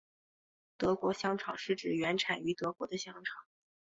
德国香肠是指原产于德国的香肠。